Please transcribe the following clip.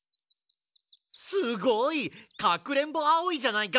すごい！かくれんぼアオイじゃないか！